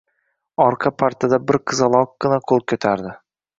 Orqa partada bir qizaloqqina qo‘l ko‘tardi.